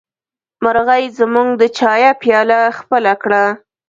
مرغۍ زموږ د چايه پياله خپله کړه.